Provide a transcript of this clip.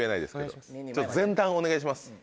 前段をお願いします。